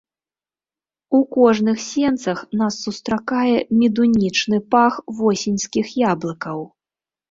У кожных сенцах нас сустракае медунічны пах восеньскіх яблыкаў.